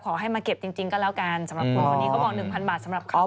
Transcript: ขอให้มาเก็บจริงก็แล้วกันสำหรับสองคน